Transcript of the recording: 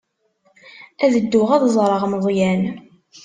Ad dduɣ ad ẓreɣ Meẓyan.